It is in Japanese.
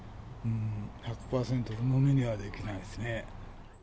１００％うのみにはできないですね。